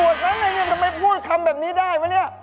นี่เป็นบวชนั้นเลยทำไมพูดคำแบบนี้ได้ไหม